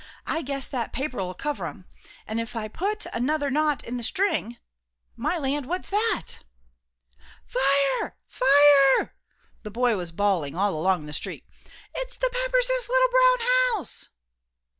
I guess that paper'll cover 'em, if I put another knot in th' string. My land! what's that! " "Fire! Fire!" the boy was bawling all along the street. "It's the Pepperses little brown house."